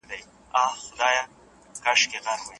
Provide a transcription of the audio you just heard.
ليکوالان کولای سي د خپلو ليکنو له لاري د خلګو ذهنونه روښانه کړي.